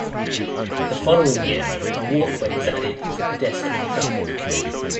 The following year a walkway was added for pedestrian traffic.